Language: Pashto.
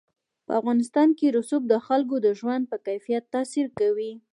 په افغانستان کې رسوب د خلکو د ژوند په کیفیت تاثیر کوي.